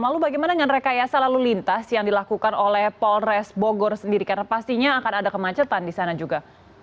lalu bagaimana dengan rekayasa lalu lintas yang dilakukan oleh polres bogor sendiri karena pastinya akan ada kemacetan di sana juga